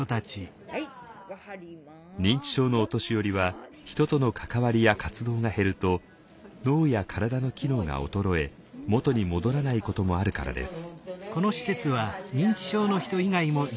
認知症のお年寄りは人との関わりや活動が減ると脳や体の機能が衰え元に戻らないこともあるからです。